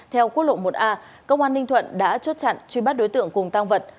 theo quốc lộ một a công an ninh thuận đã chốt chặn truy bắt đối tượng cùng tăng vật